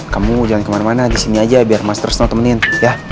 kamu jangan kemana mana disini aja biar mas tersno temenin ya